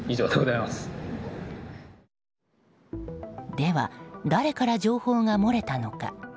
では、誰から情報が漏れたのか。